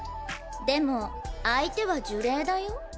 でも相手は呪霊だよ？